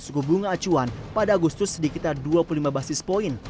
suku bunga acuan pada agustus sekitar dua puluh lima basis point